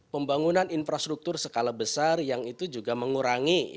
pembangunan infrastruktur skala besar yang itu juga mengurangi